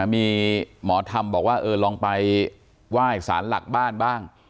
มีหมอธรรมบอกว่าลองไปไหว้สารหลักบ้านบ้าง